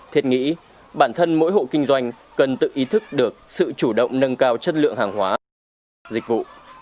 thiết nghĩ bản thân mỗi hộ kinh doanh cần tự ý thức được sự chủ động nâng cao chất lượng hàng hóa dịch vụ